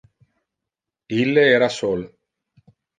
Ille era sol.